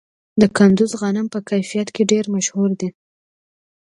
د کندز غنم په کیفیت کې ډیر مشهور دي.